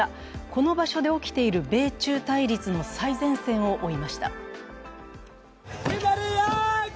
この場所で起きている米中対立の最前線を追いました。